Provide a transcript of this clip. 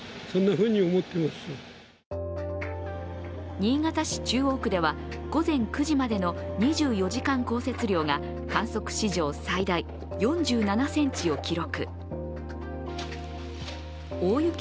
新潟市中央区では、午前９時までの２４時間降雪量が観測史上最大、４７ｃｍを記録。